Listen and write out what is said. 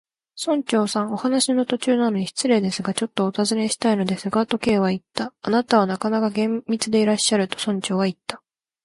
「村長さん、お話の途中なのに失礼ですが、ちょっとおたずねしたいのですが」と、Ｋ はいった。「あなたはなかなか厳密でいらっしゃる」と、村長はいった。